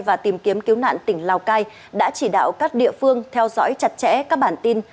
và tìm kiếm cứu nạn tỉnh lào cai đã chỉ đạo các địa phương theo dõi chặt chẽ các bản tin